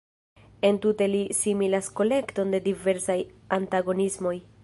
Entute li similas kolekton de diversaj antagonismoj!